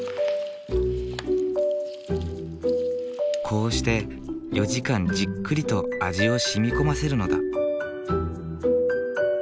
こうして４時間じっくりと味を染み込ませるのだ。